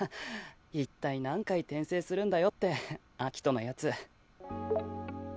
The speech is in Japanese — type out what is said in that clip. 一体何回転生するんだよって暁斗の奴。